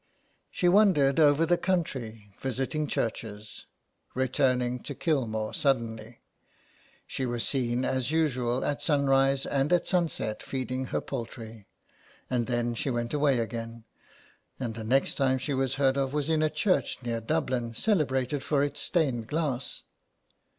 She wandered over the country visiting churches, returning to Kilmore suddenly. She was seen as usual at sunrise and at sunset feeding her poultry, 104 SOME PARISHIONERS. and then she went away again, and the next time she was heard of was in a church near Dublin celebrated for its stained glass.